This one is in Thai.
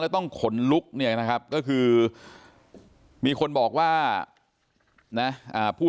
และต้องขนลุกนี่นะครับ